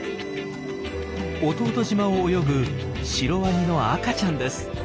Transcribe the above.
弟島を泳ぐシロワニの赤ちゃんです。